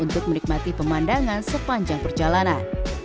untuk menikmati pemandangan sepanjang perjalanan